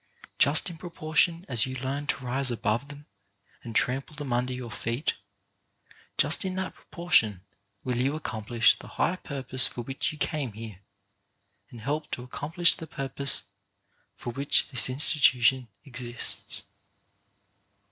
Just in proportion as you learn to rise above them and trample them under your feet, just in that proportion will you accomplish the high purpose for which you came here, and help to accomplish the purpose for which this institu tion exists.